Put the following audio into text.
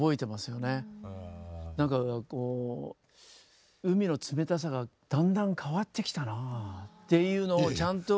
何かこう海の冷たさがだんだん変わってきたなあっていうのをちゃんと。